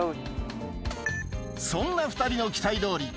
そんな２人の期待どおり